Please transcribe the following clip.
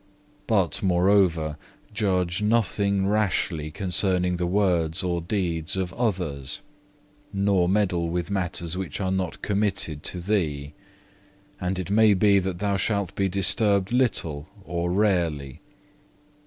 But, moreover, judge nothing rashly concerning the words or deeds of others, nor meddle with matters which are not committed to thee; and it may be that thou shalt be disturbed little or rarely.